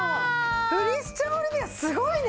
クリスチャン・オリビエすごいね！